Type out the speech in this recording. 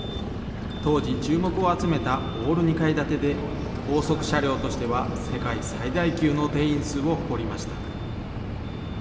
当時、注目を集めたオール２階建てで、高速車両としては世界最大級の定員数を誇りました。